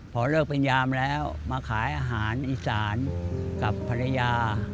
พอเลิกเป็นยามแล้วมาขายอาหารอีสานกับภรรยา